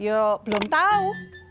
yuk belum tahu